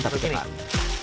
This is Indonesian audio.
pembungkusan tape ketan